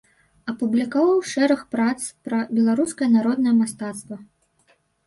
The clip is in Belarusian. Апублікаваў шэраг прац пра беларускае народнае мастацтва.